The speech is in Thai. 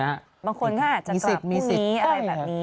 บางคนค่ะอาจจะตอบพรุ่งนี้อะไรแบบนี้